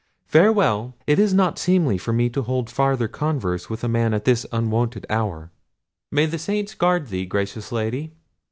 Farewell; it is not seemly for me to hold farther converse with a man at this unwonted hour." "May the saints guard thee, gracious Lady!"